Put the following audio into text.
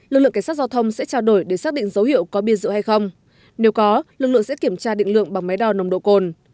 lực lượng cảnh sát giao thông sẽ trao đổi để xác định dấu hiệu có biên dự hay không nếu có lực lượng sẽ kiểm tra định lượng bằng máy đo nồng độ cồn